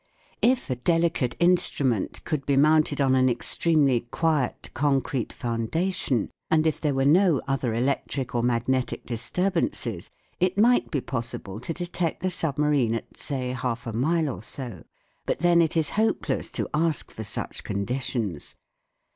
If a delicate instrument could be mounted on an extremely 1 64 THE WORLD OF SOUND quiet concrete foundation, and if there were no other electric or magnetic disturbances, it might be possible to detect the submarine at say half a mile or so ; but then it is hopeless to ask for such conditions.